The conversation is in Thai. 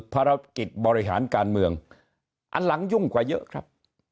ภารกิจบริหารการเมืองอันหลังยุ่งกว่าเยอะครับ